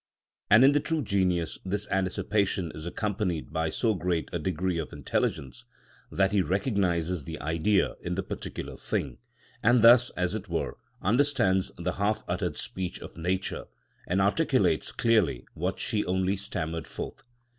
And in the true genius this anticipation is accompanied by so great a degree of intelligence that he recognises the Idea in the particular thing, and thus, as it were, understands the half uttered speech of nature, and articulates clearly what she only stammered forth.